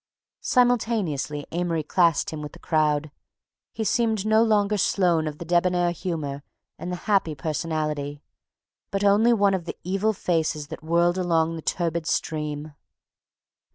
Simultaneously Amory classed him with the crowd, and he seemed no longer Sloane of the debonair humor and the happy personality, but only one of the evil faces that whirled along the turbid stream.